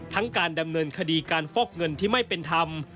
การดำเนินคดีการฟอกเงินที่ไม่เป็นธรรม